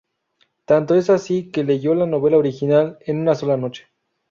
Tanto es así, que leyó la novela original en una sola noche.